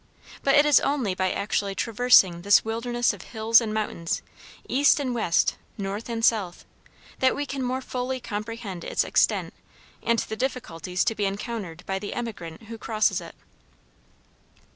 But it is only by actually traversing this wilderness of hills and mountains, east and west, north and south, that we can more fully comprehend its extent and the difficulties to be encountered by the emigrant who crosses it.